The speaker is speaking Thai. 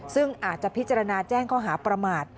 ซึ่งอาจจะพิจารณาแจ้งข้อหาประมาท